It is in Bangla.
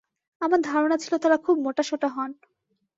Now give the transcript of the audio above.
আমার ধারণা ছিল তাঁরা খুব মোটাসোটা হন।